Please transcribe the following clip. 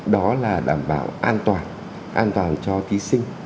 đó là đảm bảo an toàn an toàn cho thí sinh